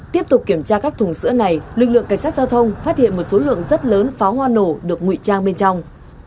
tiếp tục kiểm tra các thùng sữa này lực lượng cảnh sát giao thông phát hiện một số lượng rất lớn pháo hoa nổ được nguy trang bên trong